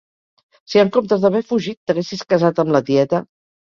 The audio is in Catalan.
Si en comptes d'haver fugit t'haguessis casat amb la tieta.